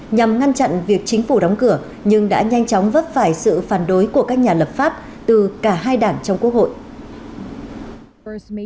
nhằm ngăn chặn việc chính phủ đóng cửa nhưng đã nhanh chóng vấp phải sự phản đối của các nhà lập pháp từ cả hai đảng trong quốc hội